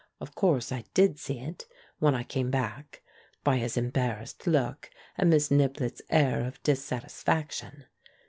Of course I did see it, when I came back, by his embarrassed look and Miss Niblett's air of dissatisfaction.